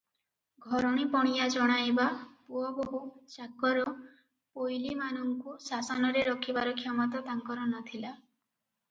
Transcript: ଘରଣୀପଣିଆ ଜଣାଇବା, ପୁଅ ବୋହୂ, ଚାକର, ପୋଇଲୀମାନଙ୍କୁ ଶାସନରେ ରଖିବାର କ୍ଷମତା ତାଙ୍କର ନଥିଲା ।